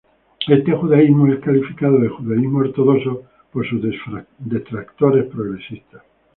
Este judaísmo es calificado de judaísmo ortodoxo por sus detractores progresistas.